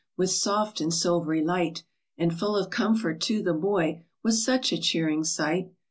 With soft and silv'ry light; And full of comfort to the hoy Was such a cheering sight.